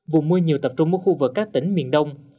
vùng mưa nhiều tập trung ở khu vực các tỉnh miền đông